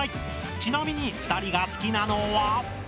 ちなみに２人が好きなのは。